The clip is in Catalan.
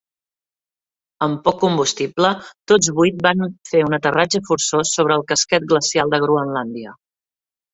Amb poc combustible, tots vuit van ver un aterratge forçós sobre el casquet glacial de Groenlàndia.